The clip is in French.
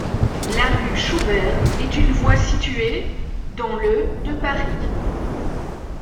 La rue Schubert est une voie située dans le de Paris.